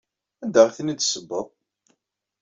Anda ay ten-id-tessewweḍ?